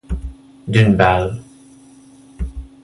D'une balle.